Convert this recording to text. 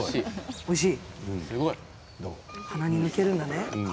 おいしい。